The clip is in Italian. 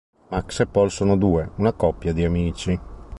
Max e Paul sono due una coppia di “amici”.